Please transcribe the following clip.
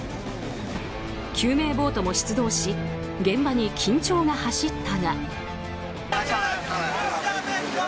救命ボートも出動し現場に緊張が走ったが。